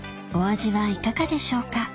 お味はいかがでしょうか？